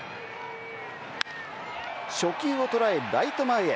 初球を捉えライト前へ。